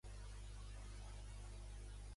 El cognom és Lepe: ela, e, pe, e.